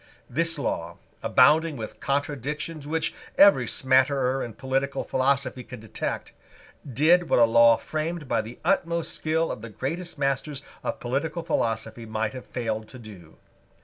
This law, abounding with contradictions which every smatterer in political philosophy can detect, did what a law framed by the utmost skill of the greatest masters of political philosophy might have failed to do.